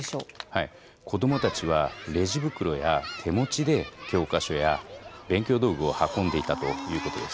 子供たちはレジ袋や手持ちで教科書や勉強道具を運んでいたということです。